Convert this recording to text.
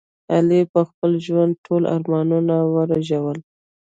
علي په خپل ژوند ټول ارمانونه ورېژول.